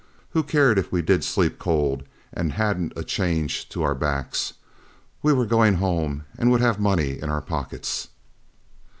Who cared if we did sleep cold and hadn't a change to our backs? We were going home and would have money in our pockets.